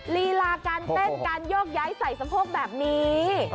ลีลาการเต้นการโยกย้ายใส่สะโพกแบบนี้